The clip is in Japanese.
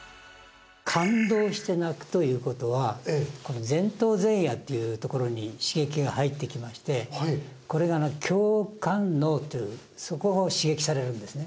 感動して泣くということはこの前頭前野っていうところに刺激が入ってきましてこれが共感脳っていうそこを刺激されるんですね